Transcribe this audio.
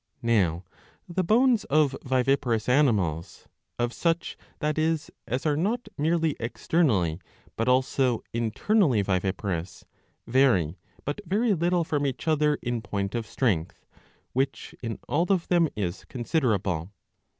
^ Now the bones of viviparous animals, of such that is as are not merely externally but also internally viviparous,* vary but very little from each other in point of strength, which in all of them is considerable.